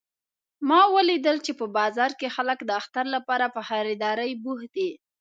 ما ولیدل چې په بازار کې خلک د اختر لپاره په خریدارۍ بوخت دي